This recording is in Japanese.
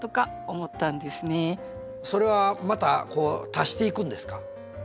それはまた足していくんですか？